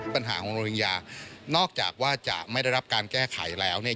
ปัญหาของโรวิญญานอกจากว่าจะไม่ได้รับการแก้ไขแล้วเนี่ย